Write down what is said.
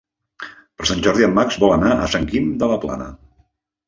Per Sant Jordi en Max vol anar a Sant Guim de la Plana.